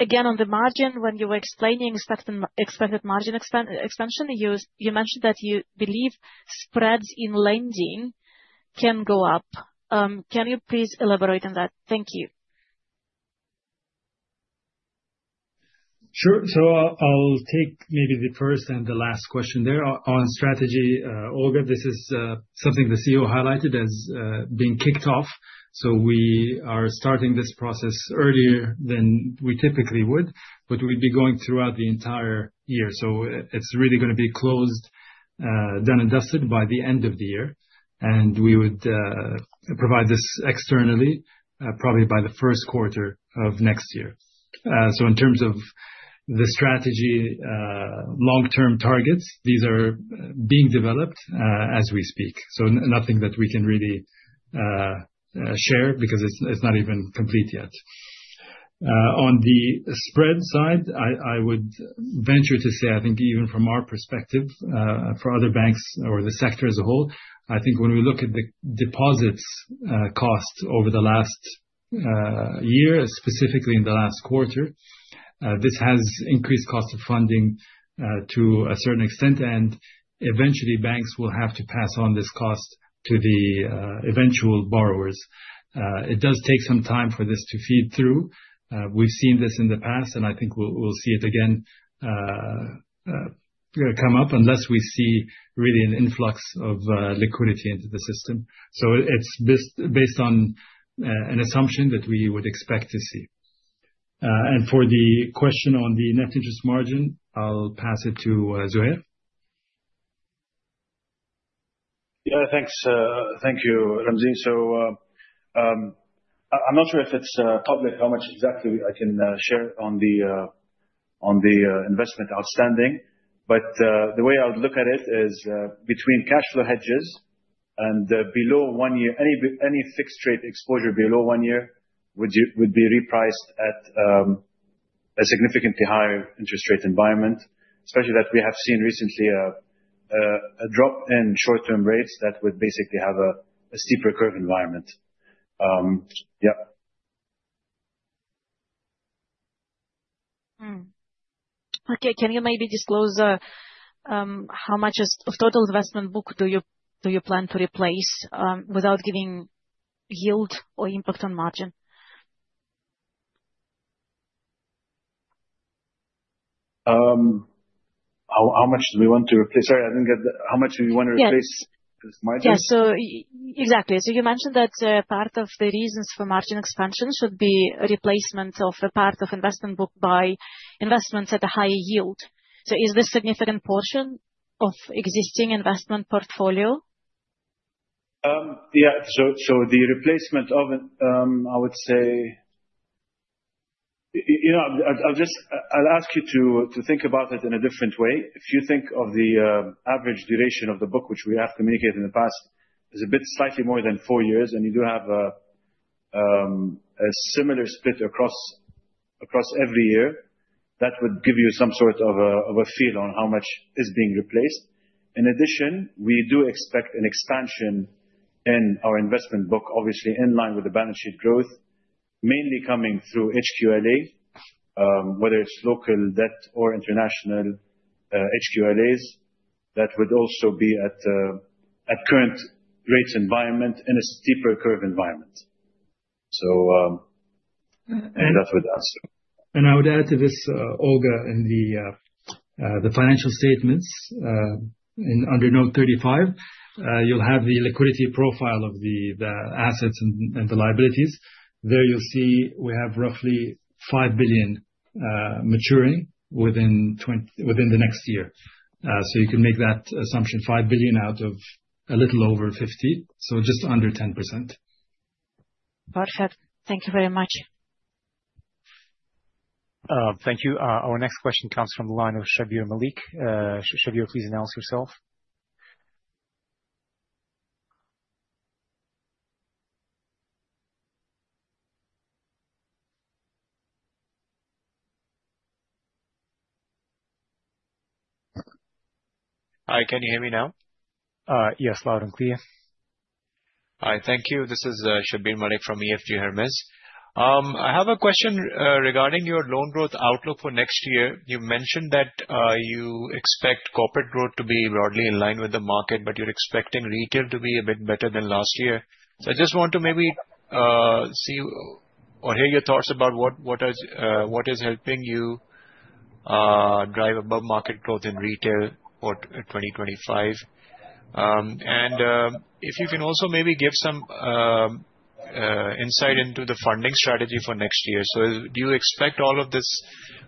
again, on the margin, when you were explaining expected margin expansion, you mentioned that you believe spreads in lending can go up. Can you please elaborate on that? Thank you. Sure. I'll take maybe the first and the last question there. On Strategy, Olga, this is something the CEO highlighted as being kicked off. We are starting this process earlier than we typically would, but we'll be going throughout the entire year. It's really going to be closed, done and dusted by the end of the year. We would provide this externally, probably by the first quarter of next year. In terms of the Strategy long-term targets, these are being developed as we speak. Nothing that we can really share because it's not even complete yet. On the spread side, I would venture to say, I think even from our perspective, for other banks or the sector as a whole, I think when we look at the deposits cost over the last year, specifically in the last quarter, this has increased cost of funding to a certain extent, and eventually, banks will have to pass on this cost to the eventual borrowers. It does take some time for this to feed through. We've seen this in the past, and I think we'll see it again come up unless we see really an influx of liquidity into the system. It's based on an assumption that we would expect to see. For the question on the net interest margin, I'll pass it to Zuhair. Thank you, Ramzy. I'm not sure if it's public, how much exactly I can share on the investment outstanding. The way I would look at it is, between cash flow hedges and below one year, any fixed rate exposure below one year would be repriced at a significantly higher interest rate environment. Especially that we have seen recently a drop in short-term rates that would basically have a steeper curve environment. Yep. Can you maybe disclose how much of total investment book do you plan to replace, without giving yield or impact on margin? How much do we want to replace? Sorry, I didn't get that. How much do we want to replace this margin? Exactly. You mentioned that part of the reasons for margin expansion should be replacement of a part of investment book by investments at a higher yield. Is this significant portion of existing investment portfolio? The replacement of it, I would say I'll ask you to think about it in a different way. If you think of the average duration of the book, which we have communicated in the past, is a bit slightly more than four years, you do have a similar split across every year. That would give you some sort of a feel on how much is being replaced. In addition, we do expect an expansion in our investment book, obviously, in line with the balance sheet growth, mainly coming through HQLA, whether it's local debt or international HQLAs, that would also be at current rates environment in a steeper curve environment. That would answer. I would add to this, Olga, in the financial statements, under note 35, you'll have the liquidity profile of the assets and the liabilities. There you'll see we have roughly 5 billion maturing within the next year. You can make that assumption, 5 billion out of a little over 50. Just under 10%. Perfect. Thank you very much. Thank you. Our next question comes from the line of Shabbir Malik. Shabbir, please announce yourself. Hi, can you hear me now? Yes, loud and clear. Hi. Thank you. This is Shabbir Malik from EFG Hermes. I have a question regarding your loan growth outlook for next year. You mentioned that you expect corporate growth to be broadly in line with the market, but you're expecting retail to be a bit better than last year. I just want to maybe see or hear your thoughts about what is helping you drive above-market growth in retail for 2025. If you can also maybe give some insight into the funding strategy for next year. Do you expect all of this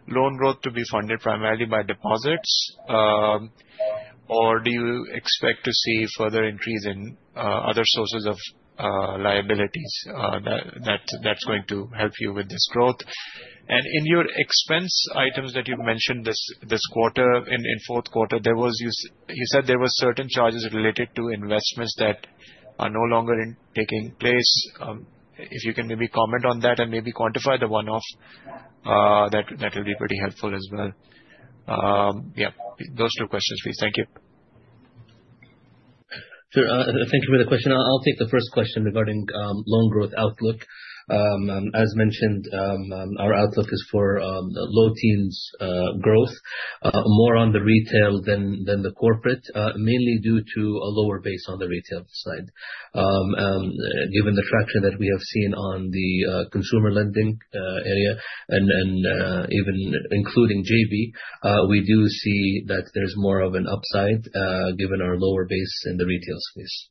loan growth to be funded primarily by deposits? Or do you expect to see further increase in other sources of liabilities that's going to help you with this growth? In your expense items that you mentioned this quarter, in fourth quarter, you said there were certain charges related to investments that are no longer taking place. If you can maybe comment on that and maybe quantify the one-off, that would be pretty helpful as well. Yeah, those two questions, please. Thank you. Sure. Thank you for the question. I'll take the first question regarding loan growth outlook. As mentioned, our outlook is for low teens growth, more on the retail than the corporate, mainly due to a lower base on the retail side. Given the traction that we have seen on the consumer lending area and even including JB, we do see that there's more of an upside, given our lower base in the retail space.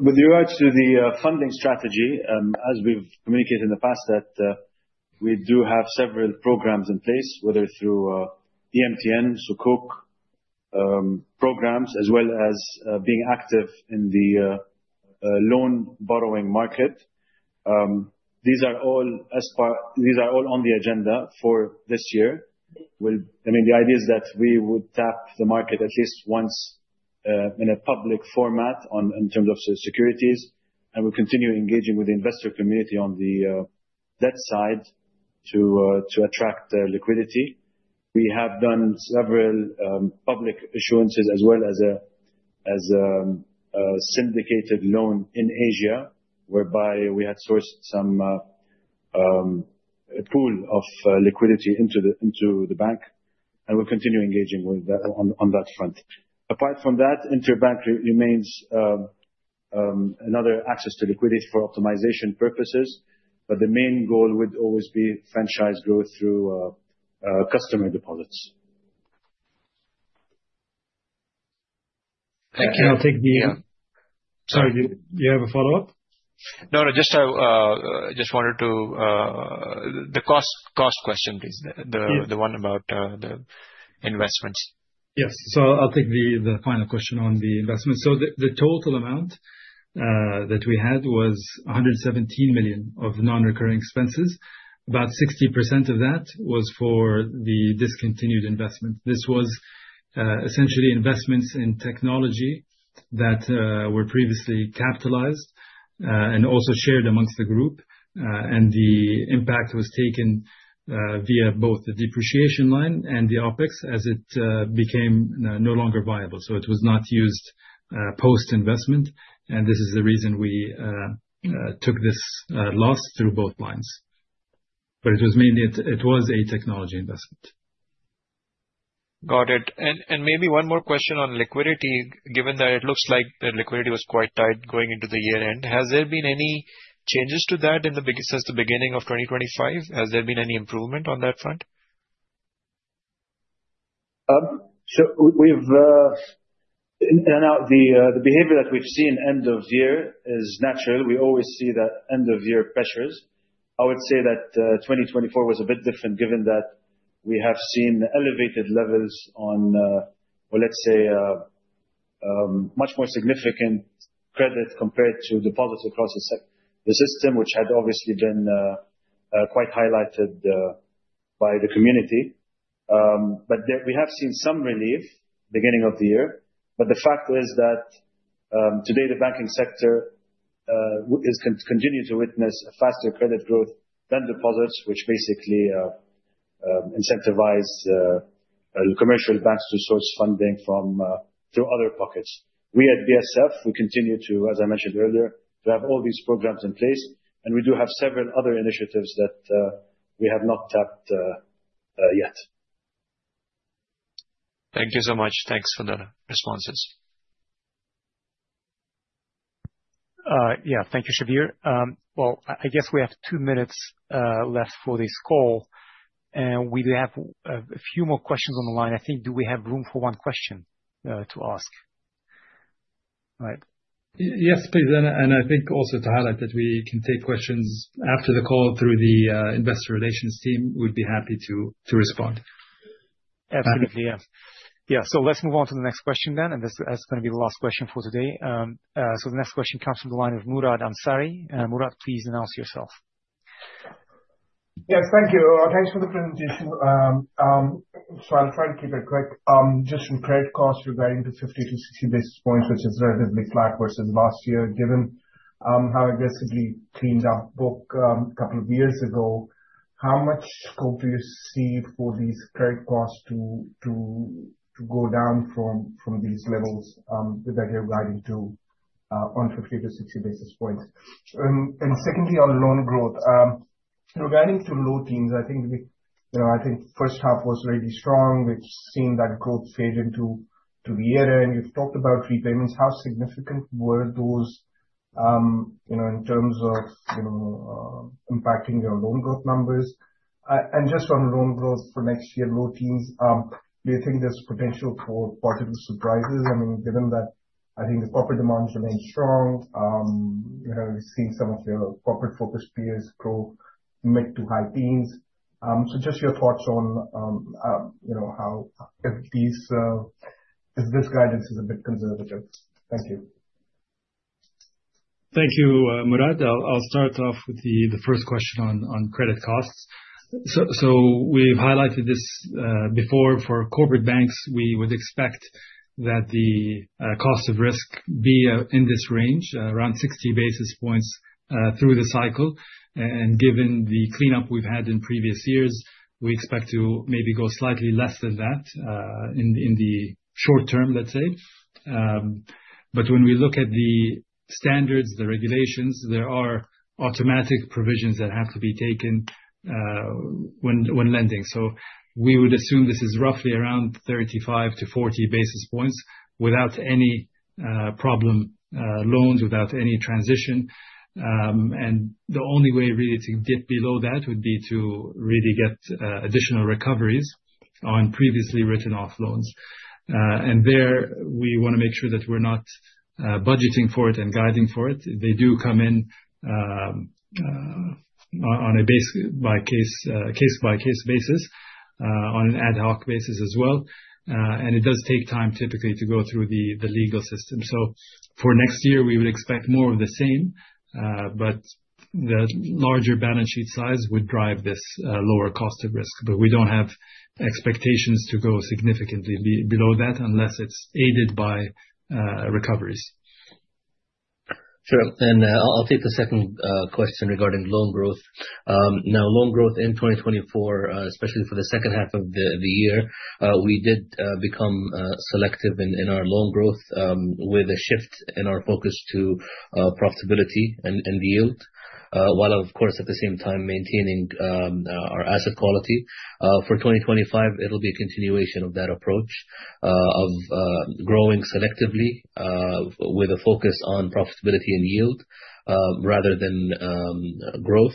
With regards to the funding strategy, as we've communicated in the past that we do have several programs in place, whether through EMTN, Sukuk programs, as well as being active in the loan borrowing market. These are all on the agenda for this year. The idea is that we would tap the market at least once in a public format in terms of securities, and we continue engaging with the investor community on the debt side to attract liquidity. We have done several public issuances as well as a syndicated loan in Asia, whereby we had sourced a pool of liquidity into the bank, and we'll continue engaging on that front. Apart from that, Interbank remains another access to liquidity for optimization purposes, but the main goal would always be franchise growth through customer deposits. I can take the- Yeah. Sorry, do you have a follow-up? I just wanted to The cost question, please. Yeah. The one about the investments. Yes. I'll take the final question on the investment. The total amount that we had was 117 million of non-recurring expenses. About 60% of that was for the discontinued investment. This was essentially investments in technology that were previously capitalized, and also shared amongst the group. The impact was taken via both the depreciation line and the OPEX as it became no longer viable. It was not used post-investment, and this is the reason we took this loss through both lines. It was mainly a technology investment. Got it. Maybe one more question on liquidity, given that it looks like the liquidity was quite tight going into the year-end. Has there been any changes to that since the beginning of 2025? Has there been any improvement on that front? The behavior that we've seen end of year is natural. We always see that end of year pressures. I would say that 2024 was a bit different given that we have seen elevated levels on, or let's say, much more significant credit compared to deposits across the system, which had obviously been quite highlighted by the community. We have seen some relief beginning of the year. The fact is that, today the banking sector continue to witness a faster credit growth than deposits, which basically incentivize commercial banks to source funding through other pockets. We at BSF, we continue to, as I mentioned earlier, to have all these programs in place, and we do have several other initiatives that we have not tapped yet. Thank you so much. Thanks for the responses. Thank you, Shabbir. I guess we have two minutes left for this call, and we do have a few more questions on the line. I think, do we have room for one question to ask? Right. Yes, please. I think also to highlight that we can take questions after the call through the investor relations team. We'd be happy to respond. Absolutely, yeah. Let's move on to the next question then, that's going to be the last question for today. The next question comes from the line of Murad Ansari. Murad, please announce yourself. Yes, thank you. Thanks for the presentation. I'll try to keep it quick. Just from credit costs regarding the 50 to 60 basis points, which is relatively flat versus last year, given how aggressively cleaned up book a couple of years ago, how much scope do you see for these credit costs to go down from these levels, with that regarding to on 50 to 60 basis points? Secondly, on loan growth. Regarding to low teens, I think first half was really strong. We've seen that growth fade into the year, and you've talked about repayments. How significant were those in terms of impacting your loan growth numbers? Just on loan growth for next year, low teens, do you think there's potential for positive surprises? Given that, I think the corporate demand remains strong. We've seen some of your corporate focus peers grow mid to high teens. Just your thoughts on if this guidance is a bit conservative. Thank you. Thank you, Murad. I'll start off with the first question on credit costs. We've highlighted this before. For corporate banks, we would expect that the cost of risk be in this range, around 60 basis points, through the cycle. Given the cleanup we've had in previous years, we expect to maybe go slightly less than that in the short term, let's say. When we look at the standards, the regulations, there are automatic provisions that have to be taken when lending. We would assume this is roughly around 35 to 40 basis points without any problem loans, without any transition. The only way really to dip below that would be to really get additional recoveries on previously written off loans. There, we want to make sure that we're not budgeting for it and guiding for it. They do come in on a case by case basis, on an ad hoc basis as well, and it does take time typically to go through the legal system. For next year, we would expect more of the same. The larger balance sheet size would drive this lower cost of risk. We don't have expectations to go significantly below that unless it's aided by recoveries. Sure. I'll take the second question regarding loan growth. Loan growth in 2024, especially for the second half of the year, we did become selective in our loan growth with a shift in our focus to profitability and yield, while of course at the same time maintaining our asset quality. For 2025, it'll be a continuation of that approach of growing selectively with a focus on profitability and yield rather than growth.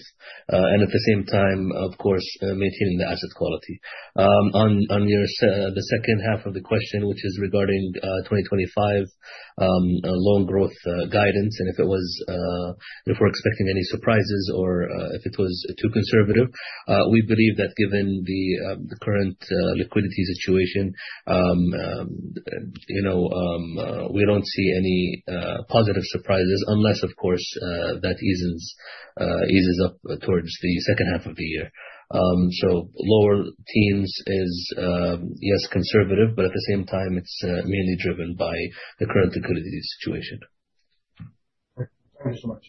At the same time, of course, maintaining the asset quality. On the second half of the question, which is regarding 2025 loan growth guidance, and if we're expecting any surprises or if it was too conservative. We believe that given the current liquidity situation, we don't see any positive surprises unless, of course, that eases up towards the second half of the year. Lower teens is, yes, conservative, at the same time, it's mainly driven by the current liquidity situation. Thank you so much.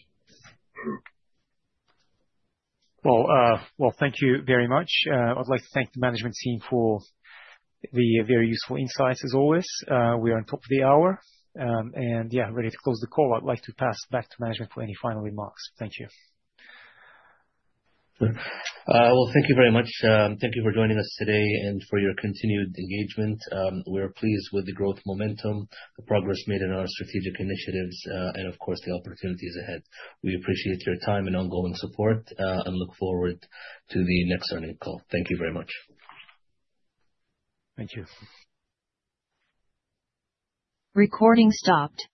Well, thank you very much. I'd like to thank the management team for the very useful insights as always. We are on top of the hour, and yeah, ready to close the call. I'd like to pass back to management for any final remarks. Thank you. Well, thank you very much. Thank you for joining us today and for your continued engagement. We are pleased with the growth momentum, the progress made in our strategic initiatives, and of course, the opportunities ahead. We appreciate your time and ongoing support, and look forward to the next earnings call. Thank you very much. Thank you. Recording stopped.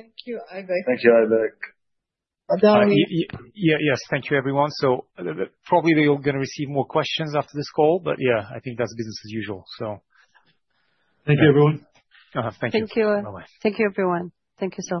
Thank you, Ivan. Thank you, Ivan. Yes. Thank you, everyone. Probably we are going to receive more questions after this call, but yeah, I think that's business as usual. Thank you, everyone. Thank you. Bye-bye. Thank you, everyone. Thank you, Salwa.